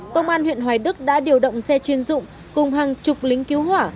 công an huyện hoài đức đã điều động xe chuyên dụng cùng hàng chục lính cứu hỏa